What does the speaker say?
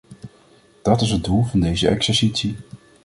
Dat is het doel van deze exercitie.